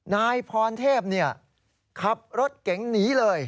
นายพรณเทพเนี่ยขับรถเก๋งหนีเลย